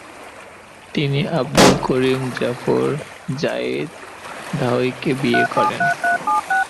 তিনি আবদুল করিম জাফর জাইদ ধাওয়িকে বিয়ে করেন।